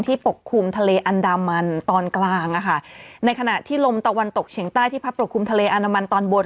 ปกคลุมทะเลอันดามันตอนกลางอ่ะค่ะในขณะที่ลมตะวันตกเฉียงใต้ที่พัดปกคลุมทะเลอันดามันตอนบน